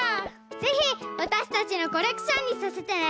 ぜひわたしたちのコレクションにさせてね。